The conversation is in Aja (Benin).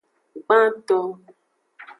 Gbanto.